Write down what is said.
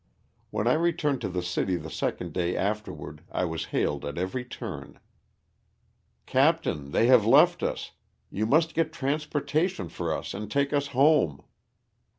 When I returned to the city the second day after ward I was hailed at every turn, *' Captain, they have left us. You must get transportation for us and take us home."